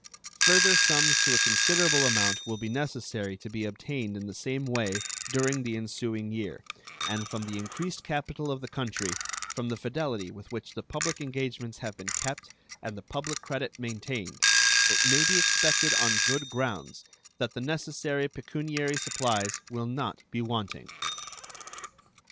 Further sums to a considerable amount will be necessary to be obtained in the same way during the ensuing year, and from the increased capital of the country, from the fidelity with which the public engagements have been kept and the public credit maintained, it may be expected on good grounds that the necessary pecuniary supplies will not be wanting.